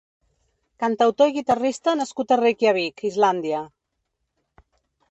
Cantautor i guitarrista nascut a Reykjavík, Islàndia.